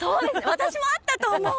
私も合ったと思う。